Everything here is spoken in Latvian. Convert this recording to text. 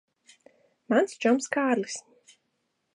Mans čoms Kārlis.